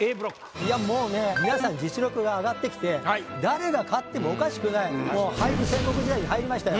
いやもうね皆さん実力が上がってきて誰が勝ってもおかしくないもう俳句戦国時代に入りましたよ。